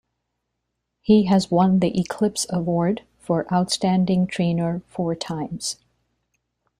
He has won the Eclipse Award for Outstanding Trainer four times.